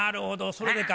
それでか。